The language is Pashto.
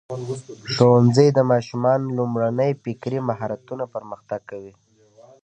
ښوونځی د ماشومانو لومړني فکري مهارتونه پرمختګ کوي.